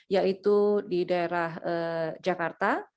yaitu di daerah jakarta